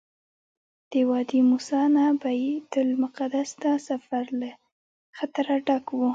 د وادي موسی نه بیت المقدس ته سفر له خطره ډک وو.